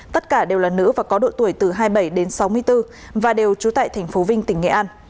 tất cả đều là nữ và có độ tuổi từ hai mươi bảy đến sáu mươi bốn và đều trú tại tp vinh tỉnh nghệ an